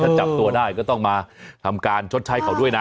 ถ้าจับตัวได้ก็ต้องมาทำการชดใช้เขาด้วยนะ